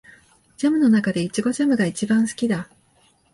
ジャムの中でイチゴジャムが一番好きだ